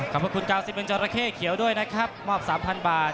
ขอบคุณ๙๑จอระเข้เขียวด้วยนะครับมอบ๓๐๐๐บาท